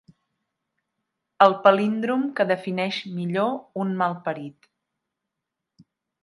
El palíndrom que defineix millor un malparit.